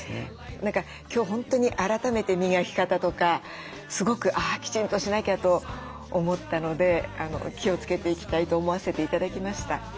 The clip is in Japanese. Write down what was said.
何か今日本当に改めて磨き方とかすごくあきちんとしなきゃと思ったので気をつけていきたいと思わせて頂きました。